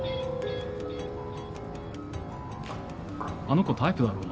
あの子タイプだろ？